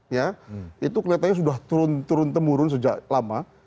ya itu kelihatannya sudah turun turun temurun sejak lama